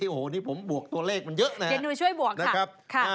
โอ้โหนี่ผมบวกตัวเลขมันเยอะนะครับ